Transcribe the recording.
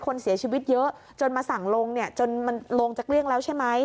คนเสียชีวิตเยอะจนมาสั่งลงเนี่ยจนมันลงจะเกลี้ยงแล้วใช่ไหม